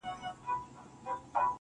دښایستونو خدایه اور ته به مي سم نیسې.